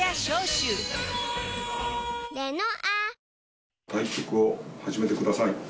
前人未到、対局を始めてください。